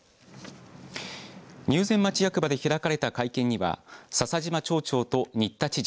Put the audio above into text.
入善町役場で開かれた会見には笹島町長と新田知事